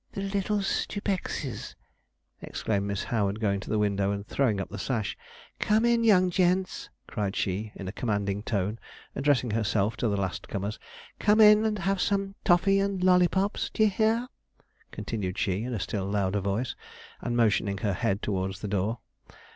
'The little stupexes!' exclaimed Miss Howard, going to the window, and throwing up the sash. 'Come in, young gents!' cried she, in a commanding tone, addressing herself to the last comers. 'Come in, and have some toffy and lollypops! D'ye hear?' continued she, in a still louder voice, and motioning her head towards the door.